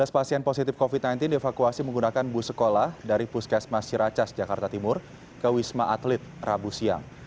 tiga belas pasien positif covid sembilan belas dievakuasi menggunakan bus sekolah dari puskesmas ciracas jakarta timur ke wisma atlet rabu siang